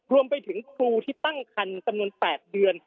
รวมไปถึงครูที่ตั้งคันจำนวน๘เดือน